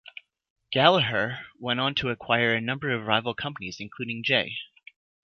Gallaher went on to acquire a number of rival companies including J.